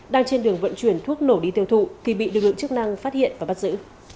đang trên đường vận chuyển thuốc nổ đi tiêu thụ thì bị lực lượng chức năng phát hiện và bắt giữ